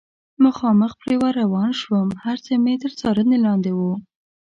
مخامخ پرې ور روان شوم، هر څه مې تر څارنې لاندې و.